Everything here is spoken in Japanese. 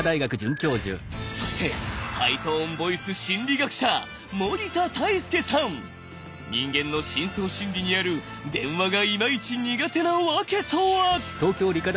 そしてハイトーンボイス心理学者人間の深層心理にある電話がイマイチ苦手なワケとは？